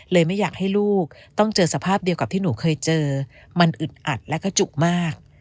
ไม่อยากให้ลูกต้องเจอสภาพเดียวกับที่หนูเคยเจอมันอึดอัดแล้วก็จุมาก